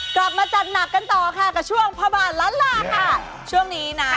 กลับมาจัดหนักกันต่อค่ะกับช่วงพระบาทล้านลาค่ะช่วงนี้นะ